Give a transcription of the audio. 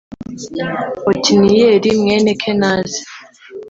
otiniyeli mwene kenazi